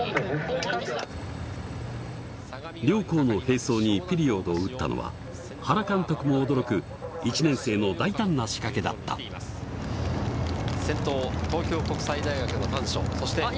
両校の並走にピリオドを打ったのは原監督も驚く１年生の大胆な仕掛けだった先頭東京国際大学の丹所そして。